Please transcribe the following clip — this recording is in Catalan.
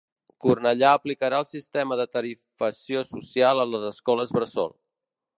Cornellà aplicarà el sistema de tarifació social a les escoles bressol.